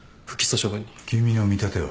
君の見立ては？